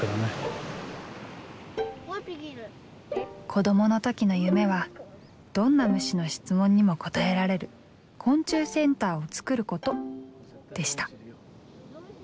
子どもの時の夢は「どんな虫の質問にも答えられる昆虫センターを作ること」でした。